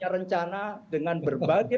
rencana dengan berbagai